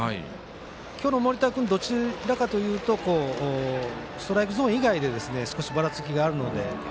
今日の盛田君はどちらかというとストライクゾーン以外で少しばらつきがあるので。